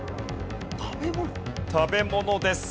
食べ物です。